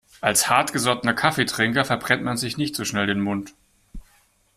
Als hartgesottener Kaffeetrinker verbrennt man sich nicht so schnell den Mund.